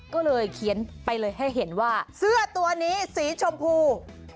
ก็เลยเขียนไปเลยให้เห็นว่าเสื้อตัวนี้สีชมพู